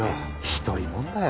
ひどいもんだよ。